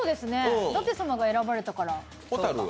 舘様が選ばれたから。